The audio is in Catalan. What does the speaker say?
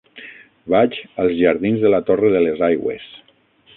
Vaig als jardins de la Torre de les Aigües.